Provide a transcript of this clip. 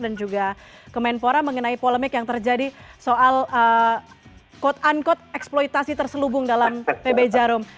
dan juga kemenpora mengenai polemik yang terjadi soal quote unquote eksploitasi terselubung dalam pb jarum